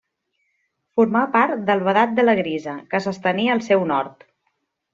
Formava part del Vedat de la Grisa, que s'estenia al seu nord.